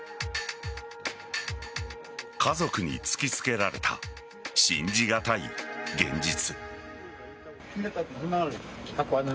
家族に突きつけられた信じがたい現実。